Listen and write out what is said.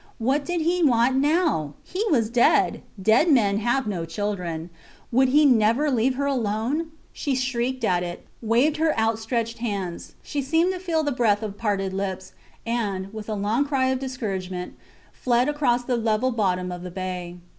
What did he want now? He was dead. Dead men have no children. Would he never leave her alone? She shrieked at it waved her outstretched hands. She seemed to feel the breath of parted lips, and, with a long cry of discouragement, fled across the level bottom of the bay.